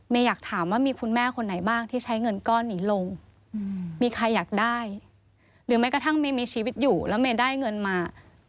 อยากถามว่ามีคุณแม่คนไหนบ้างที่ใช้เงินก้อนนี้ลงมีใครอยากได้หรือแม้กระทั่งเมย์มีชีวิตอยู่แล้วเมย์ได้เงินมา